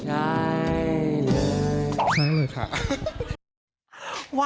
ต้องเลยค่ะ